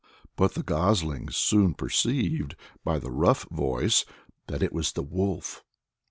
But the goslings soon perceived, by the rough voice, that it was the wolf.